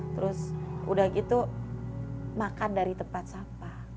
terus udah gitu makan dari tempat sampah